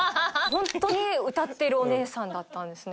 ホントに歌ってるお姉さんだったんですね。